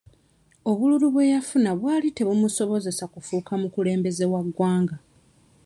Obululu bwe yafuna bwali tebumusobozesa kufuuka mukulembeze wa ggwanga.